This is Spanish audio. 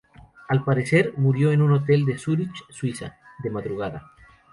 Al parecer, murió en un hotel de Zúrich, Suiza, de madrugada.